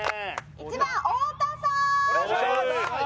１番太田さん。